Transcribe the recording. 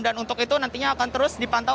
dan untuk itu nantinya akan terus dipantau